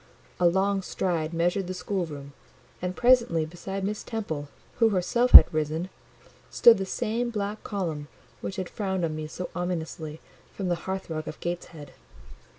A long stride measured the schoolroom, and presently beside Miss Temple, who herself had risen, stood the same black column which had frowned on me so ominously from the hearthrug of Gateshead.